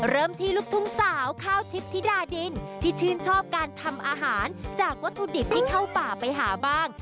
เริ่มที่ลูกทุ่งสาวข้าวทิพย์ธิดาดินที่ชื่นชอบการทำอาหารจากวัตถุดิบที่เข้าป่าไปหาบ้าง